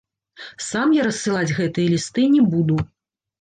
Сам я рассылаць гэтыя лісты не буду.